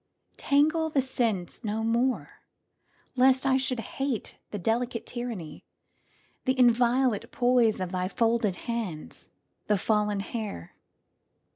Tangle the sense no more, lest I should hateThe delicate tyranny, the inviolatePoise of thy folded hands, the fallen hair.